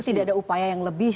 jadi tidak ada upaya yang lebih